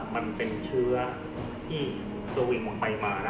มันเป็นเชื้อที่สวิงลงไปมา